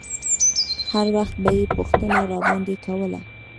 هر وخت به يې پوښتنه راباندې کوله.